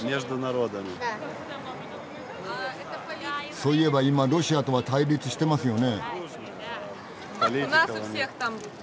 そういえば今ロシアとは対立してますよね？